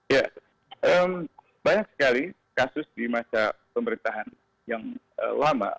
ya banyak sekali kasus di masa pemerintahan yang lama